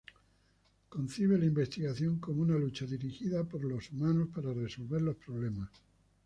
Concibe la investigación como una lucha dirigida por los humanos para resolver los problemas.